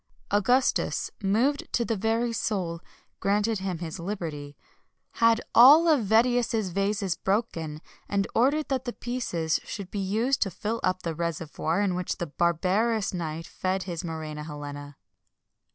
Augustus, moved to the very soul, granted him his liberty, had all of Vedius's vases broken, and ordered that the pieces should be used to fill up the reservoir in which the barbarous knight fed his muræna Helena.